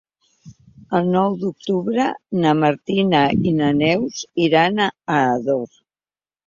El nou d'octubre na Martina i na Neus iran a Ador.